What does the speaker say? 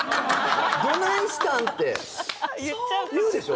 「どないしたん？」って言うでしょ。